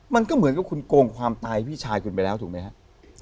มันก็เหมือนกับคุณโกงความตายพี่ชายคุณไปแล้วถูกไหมครับ